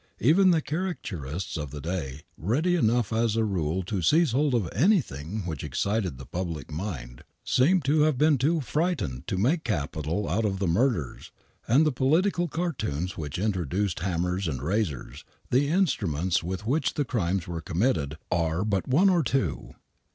Even the caricaturists of the day, ready enough as a rule to seize hold of anything which excited the public mind, seemeu to have been too frightened to make capital out of the murders, and the political cartoons which introduced hammers and razors, the instruments with which the crimes were committed, are but one or two.